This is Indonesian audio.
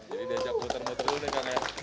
terima kasih pak